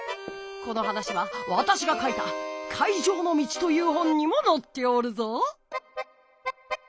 この話はわたしが書いた「海上の道」という本にものっておるぞ。